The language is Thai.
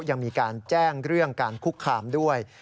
ยังมีการแจ้งเรื่องการคุกคามด้วย